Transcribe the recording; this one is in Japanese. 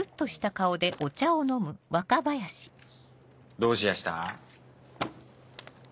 どうしやした？